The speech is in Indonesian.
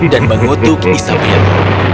dan mengutuk isabella